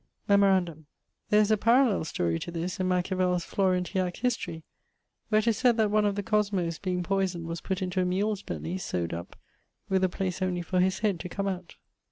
Memorandum: there is a parallell storie to this in Machiavell's Florentiac History, where 'tis sayd that one of the Cosmo's being poysoned was putt into a mule's belly, sowed up, with a place only for his head to come out.